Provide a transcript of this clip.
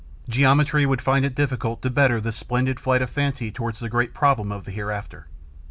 Geometry would find it difficult to better this splendid flight of fancy towards the great problem of the hereafter.